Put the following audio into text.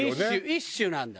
一種なんだ？